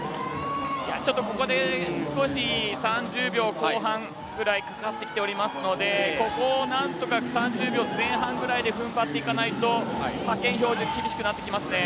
ここで３０秒後半ぐらいかかってきていますのでここを３０秒前半ぐらいで踏ん張っていかないと派遣標準、厳しくなってきますね。